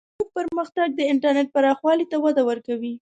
د ویب پرمختګ د انټرنیټ پراخوالی ته وده ورکوي.